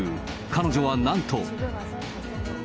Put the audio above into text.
彼女はなんと。